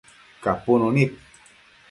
capunu nid